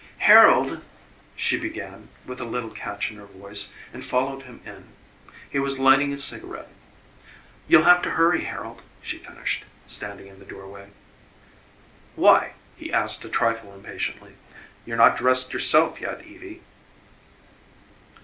"Harold " she began, with a little catch in her voice, and followed him in. He was lighting a cigarette. "You'll have to hurry, Harold," she finished, standing in the doorway. "Why?" he asked a trifle impatiently; "you're not dressed yourself yet, Evie."